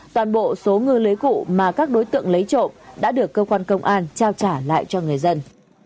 toàn bộ số ngư lưới cụ mà các đối tượng lấy trộm đã được cơ quan công an trao trả lại cho người dân